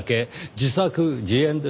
自作自演です。